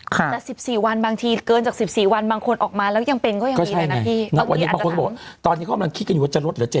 แต่๑๔วันบางทีเกินจาก๑๔วันบางคนออกมาแล้วยังเป็นก็ยังมีเลยนะ